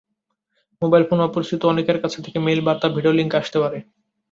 Mobile ফোনে অপরিচিত অনেকের কাছ থেকে মেইল, বার্তা, ভিডিও লিংক আসতে পারে।